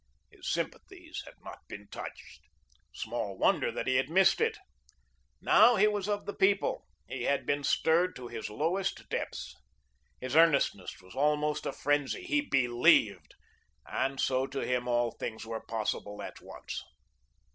His sympathies had not been touched. Small wonder that he had missed it. Now he was of the People; he had been stirred to his lowest depths. His earnestness was almost a frenzy. He BELIEVED, and so to him all things were possible at once.